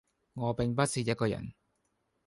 我並不是一個人